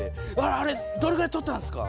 「あれどれぐらい撮ったんですか？」。